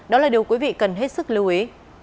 đó là điều quý vị cần hết sức lưu ý